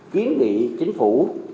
kiến nghị chính phủ